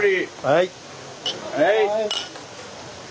はい。